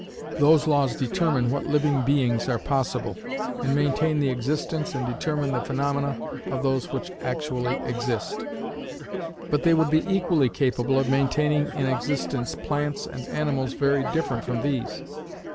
Those laws determine what living beings are possible, and maintain the existence and determine the phaenomena of those which actually exist: but they would be equally capable of maintaining in existence plants and animals very different from these.